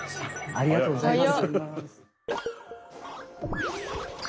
ありがとうございます。